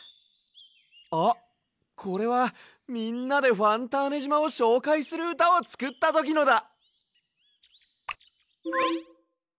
あっこれはみんなでファンターネじまをしょうかいするうたをつくったときのだ！